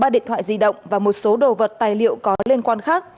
ba điện thoại di động và một số đồ vật tài liệu có liên quan khác